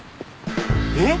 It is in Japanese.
えっ？